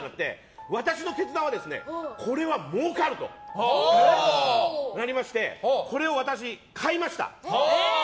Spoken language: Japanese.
私の決断はこれはもうかるとなりましてこれを私、買いました。